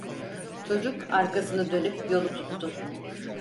Çocuk arkasını dönüp yolu tuttu.